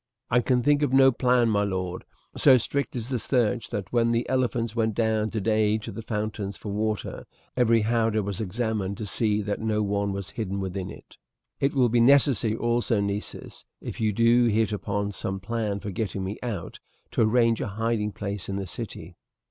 "I can think on no plan, my lord. So strict is the search that when the elephants went down today to the fountains for water every howdah was examined to see that no one was hidden within it." "It will be necessary also, Nessus, if you do hit upon some plan for getting me out, to arrange a hiding place in the city."